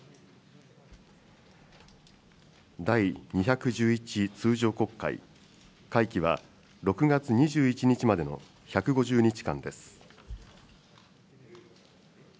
第２１１通常国会、会期は６月２１日までの１５０日間です。